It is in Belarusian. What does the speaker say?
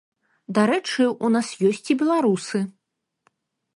Дарэчы, у нас ёсць і беларусы.